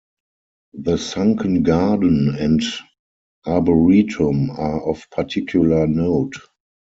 The sunken garden and arboretum are of particular note.